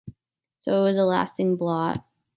So it was a lasting blot.